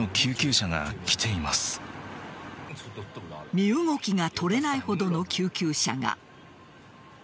身動きが取れないほどの救急車が。